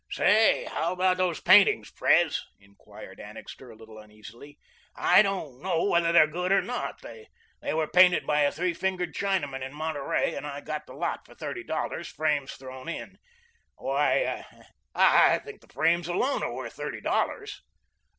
"Say, how about those paintings, Pres?" inquired Annixter a little uneasily. "I don't know whether they're good or not. They were painted by a three fingered Chinaman in Monterey, and I got the lot for thirty dollars, frames thrown in. Why, I think the frames alone are worth thirty dollars."